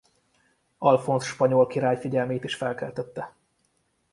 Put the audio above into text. Alfonz spanyol király figyelmét is felkeltette.